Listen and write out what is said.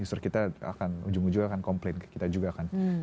justru kita akan ujung ujung akan komplain ke kita juga kan